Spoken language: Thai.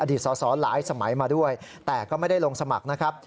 สอสอหลายสมัยมาด้วยแต่ก็ไม่ได้ลงสมัครนะครับ